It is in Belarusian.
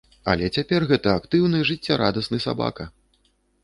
Але цяпер гэта актыўны, жыццярадасны сабака!